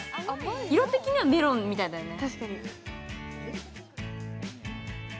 色的にはメロンみたいだよね。